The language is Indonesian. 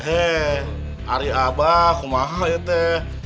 hei hari abah kau mahal ya teeh